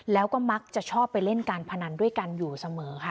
แล้วก็มักจะชอบไปเล่นการพนันด้วยกันอยู่เสมอค่ะ